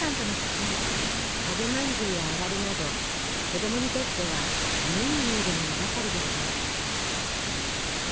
揚げまんじゅうやあられなど子供にとっては地味に見えるものばかりでした。